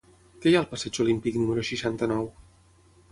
Què hi ha al passeig Olímpic número seixanta-nou?